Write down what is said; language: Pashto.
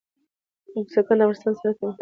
بزګان د افغانستان د صادراتو یوه مهمه برخه ده.